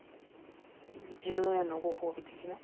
自分へのご褒美的な？